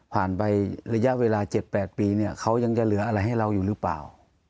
ไประยะเวลา๗๘ปีเนี่ยเขายังจะเหลืออะไรให้เราอยู่หรือเปล่า